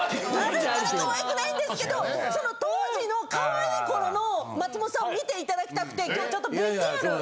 あれ可愛くないんですけどその当時の可愛い頃の松本さんを見ていただきたくて今日ちょっとＶＴＲを。